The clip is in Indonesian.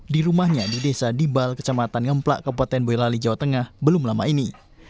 di rumahnya di desa dibal kecamatan ngemplak kabupaten boyolali jawa tengah belum lama ini